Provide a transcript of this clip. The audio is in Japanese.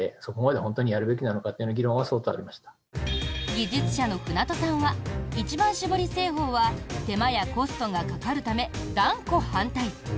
技術者の舟渡さんは一番搾り製法は手間やコストがかかるため断固反対。